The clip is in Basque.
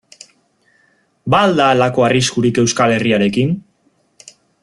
Ba al da halako arriskurik Euskal Herriarekin?